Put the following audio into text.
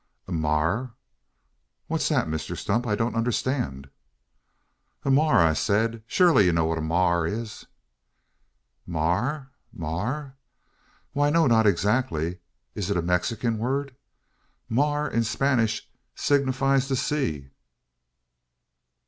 "A ma a r! What is that, Mr Stump? I don't understand." "A maar I sayed. Shurly ye know what a maar is?" "Ma a r ma a r! Why, no, not exactly. Is it a Mexican word? Mar in Spanish signifies the sea."